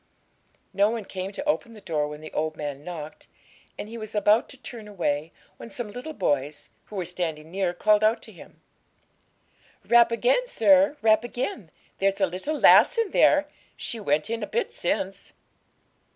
No one came to open the door when the old man knocked, and he was about to turn away, when some little boys, who were standing near, called out to him 'Rap again, sir, rap again; there's a little lass in there; she went in a bit since.'